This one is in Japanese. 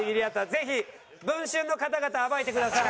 ぜひ『文春』の方々暴いてください。